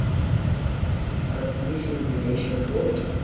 Tarakilishi zimeisha zote.